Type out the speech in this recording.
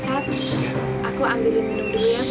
seth aku ambil minum dulu ya buat kamu